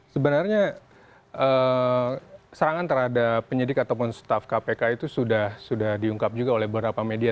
sebenarnya serangan terhadap penyidik ataupun staff kpk itu sudah diungkap juga oleh beberapa media